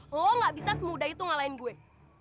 oh gak bisa semudah itu ngalahin gue